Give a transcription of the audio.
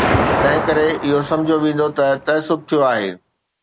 تنهنڪري اهو سمجهيو ويندو ته تعصب ٿيو آهي.